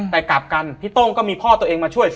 แต่กลับกันพี่โต้งก็มีพ่อตัวเองมาช่วย